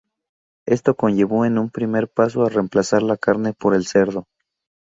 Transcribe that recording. Esto conllevó en un primer paso a reemplazar la carne por el cerdo.